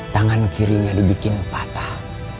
tangan kirinya dibikin patah